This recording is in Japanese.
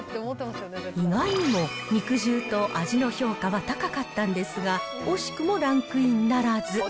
意外にも肉汁と味の評価は高かったんですが、惜しくもランクインならず。